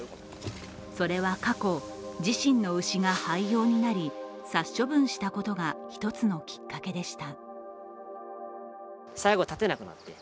それは過去、自身の牛が廃用になり殺処分したことが一つのきっかけでした。